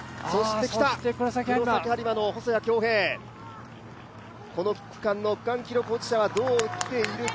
黒崎播磨の細谷恭平、この区間の区間記録保持者は今、どう来ているか。